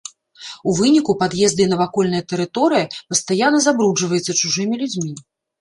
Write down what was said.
У выніку пад'езды і навакольная тэрыторыя пастаянна забруджваецца чужымі людзьмі.